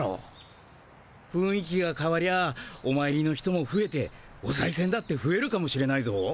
ふんい気がかわりゃおまいりの人もふえておさいせんだってふえるかもしれないぞ。